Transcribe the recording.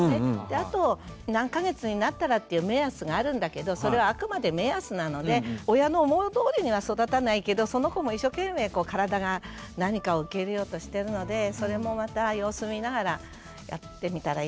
あと何か月になったらっていう目安があるんだけどそれはあくまで目安なので親の思うとおりには育たないけどその子も一生懸命体が何かを受け入れようとしてるのでそれもまた様子見ながらやってみたらいいなと思って聞いてました。